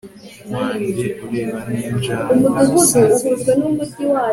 Wange ureba ninjangwe isinziriye